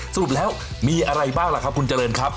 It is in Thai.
สรุปแล้วมีอะไรบ้างล่ะครับคุณเจริญครับ